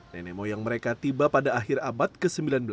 nenek moyang mereka tiba pada akhir abad ke sembilan belas